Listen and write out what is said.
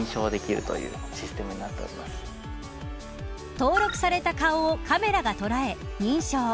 登録された顔をカメラが捉え認証。